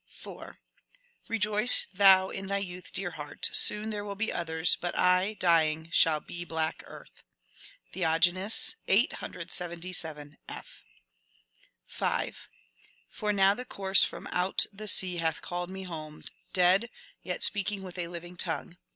^^Bejoice thou in thy youth, dear heart! Soon there will be others ; but I, dying, shall be black earth." — Theognis, 877 f. 5. [For now the corse from oat the sea hath called me home,] Dead, (yet) speaking with a living tongue."